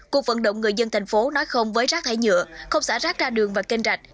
cuộc vận động người dân thành phố nói không với rác thải nhựa không xả rác ra đường và kênh rạch